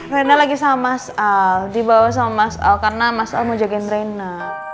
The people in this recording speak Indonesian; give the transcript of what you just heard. rena lagi sama mas al dibawa sama mas al karena mas al mau jagain rena